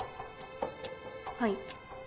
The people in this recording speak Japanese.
はい。